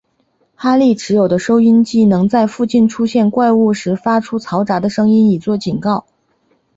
哈利持有的收音机能在附近出现怪物时发出嘈杂的声音以作警告。